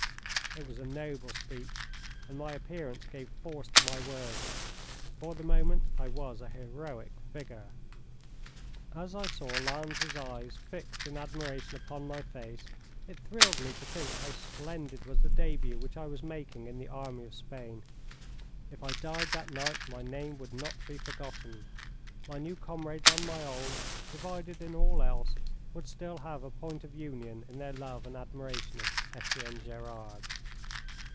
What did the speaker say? It was a noble speech, and my appearance gave force to my words. For the moment I was a heroic figure. As I saw Lannes's eyes fixed in admiration upon my face it thrilled me to think how splendid was the debut which I was making in the army of Spain. If I died that night my name would not be forgotten. My new comrades and my old, divided in all else, would still have a point of union in their love and admiration of Etienne Gerard.